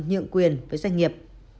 nhượng quyền với doanh nghiệp